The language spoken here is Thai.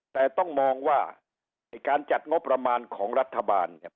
แต่ต้องมองว่าไอ้การจัดงบประมาณของรัฐบาลเนี่ย